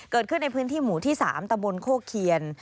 เกิดขึ้นในพื้นที่หมู่ที่๓ตะบนโคเคียน